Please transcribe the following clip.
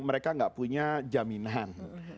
mereka nggak punya jaminan